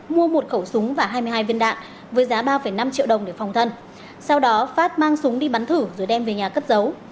mua một khẩu súng và hai mươi hai viên đạn với giá ba năm triệu đồng để phòng thân sau đó phát mang súng đi bắn thử rồi đem về nhà cất giấu